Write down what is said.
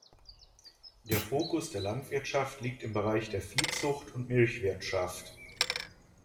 Der Fokus der Landwirtschaft liegt im Bereich der Viehzucht und Milchwirtschaft.